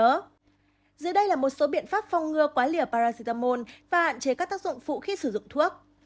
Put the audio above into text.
giờ đây là một số biện pháp phong ngừa quá liều paracetamol và hạn chế các tác dụng phụ khi sử dụng thuốc